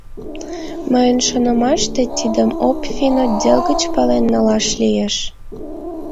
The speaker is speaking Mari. Мыйын шонымаште, тидым обфинотдел гыч пален налаш лиеш.